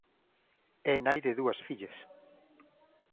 É nai de dúas fillas.